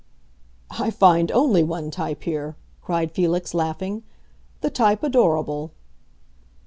"I find only one type here!" cried Felix, laughing. "The type adorable!"